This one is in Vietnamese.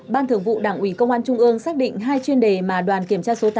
ban thường vụ đảng ủy công an trung ương xác định hai chuyên đề mà đoàn kiểm tra số tám